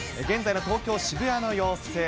現在の東京・渋谷の様子。